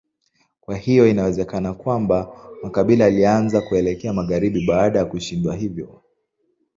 Kwa hiyo inawezekana kwamba makabila yalianza kuelekea magharibi baada ya kushindwa hivyo.